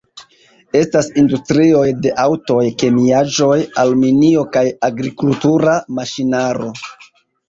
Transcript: Estas industrioj de aŭtoj, kemiaĵoj, aluminio kaj agrikultura maŝinaro.